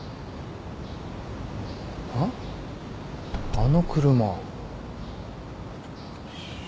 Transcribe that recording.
あの車。